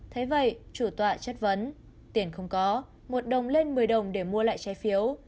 thế vậy chủ tọa chất vấn tiền không có một đồng lên một mươi đồng để mua lại trái phiếu